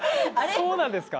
そうなんですか？